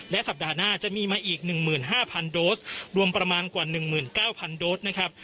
และสัปดาห์หน้าจะมีมาอีกหนึ่งหมื่นห้าพันโดสรวมประมาณกว่าหนึ่งหมื่นเก้าพันโดสนะครับ